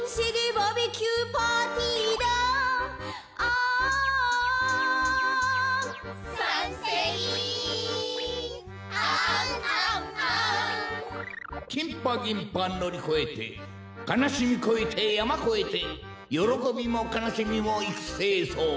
「バーベキューパーティーだあああああんあんあん」「さんせいんああんあんあん」きんぱぎんぱのりこえてかなしみこえてやまこえてよろこびもかなしみもいくせいそう。